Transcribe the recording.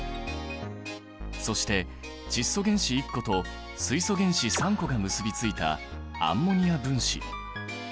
そして窒素原子１個と水素原子３個が結びついたアンモニア分子。